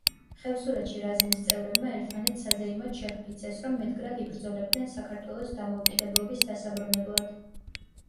ხევსურეთში რაზმის წევრებმა ერთმანეთს საზეიმოდ შეჰფიცეს, რომ მედგრად იბრძოლებდნენ საქართველოს დამოუკიდებლობის დასაბრუნებლად.